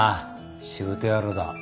しぶてえ野郎だ